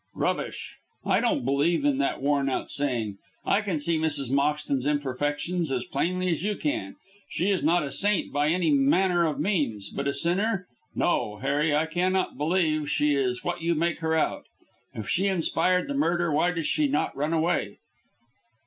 "Rubbish! I don't believe in that worn out saying. I can see Mrs. Moxton's imperfections as plainly as you can. She is not a saint by any manner of means, but a sinner? No, Harry, I cannot believe she is what you make her out. If she inspired the murder, why does she not run away?"